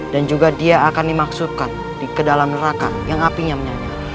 dan juga dia akan dimaksudkan ke dalam neraka yang apinya menyanyi